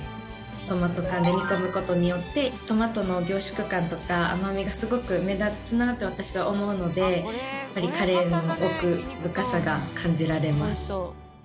トマト缶で煮込むことによってトマトの凝縮感とか甘味がすごく目立つなあと私は思うのでカレーに奥深さが感じられます。